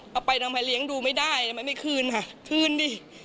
เอเอาไปทำไมหาเลี้ยงดูไม่ได้ทำไมไม่ขึ้นค่ะขึ้นหรือ